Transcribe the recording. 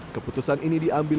keputusan ini diambil